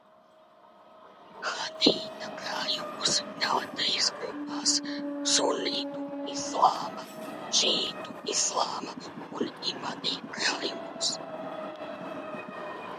Hadīta krājumus dala trīs grupās – sunnītu islāma, šiītu islāma un ibadi krājumos.